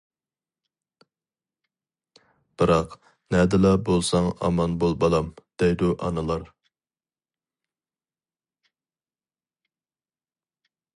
بىراق، نەدىلا بولساڭ ئامان بول بالام-دەيدۇ ئانىلار.